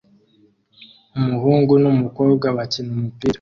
Umuhungu n'umukobwa bakina umupira